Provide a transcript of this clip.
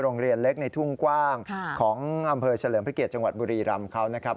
โรงเรียนเล็กในทุ่งกว้างของอำเภอเฉลิมพระเกียรติจังหวัดบุรีรำเขานะครับ